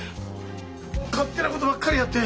勝手なことばっかりやって。